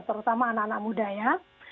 terutama anak anak muda ya